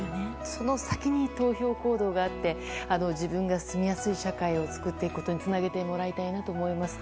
その先に投票行動があって自分が住みやすい社会を作っていくことにつなげてもらいたいなと思います。